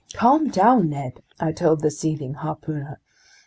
"Calm down, Ned," I told the seething harpooner.